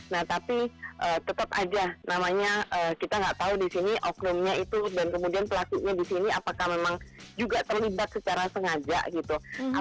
nah tapi tetap aja namanya kita nggak tahu di sini oknumnya itu dan kemudian pelakunya di sini apakah memang juga terlibat secara sengaja gitu